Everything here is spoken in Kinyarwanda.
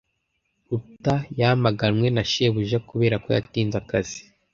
Ruta yamaganwe na shebuja kubera ko yatinze akazi.